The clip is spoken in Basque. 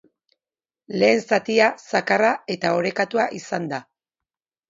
Lehen zatia zakarra eta orekatua izan da.